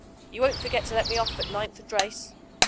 You won't forget to let me off at Ninth and Race.